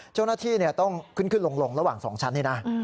เจ้าหน้าที่ต้องขึ้นขึ้นลงระหว่าง๒ชั้นนี่นะ